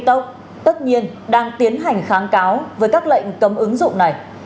tất nhiên đang tiến hành kháng cáo với các lệnh cấm ứng dụng này